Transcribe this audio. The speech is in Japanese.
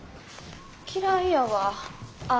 嫌いやわあ